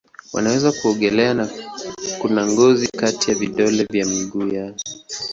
Wanaweza kuogelea na kuna ngozi kati ya vidole vya miguu yao.